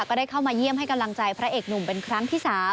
ก็ได้เข้ามาเยี่ยมให้กำลังใจพระเอกหนุ่มเป็นครั้งที่๓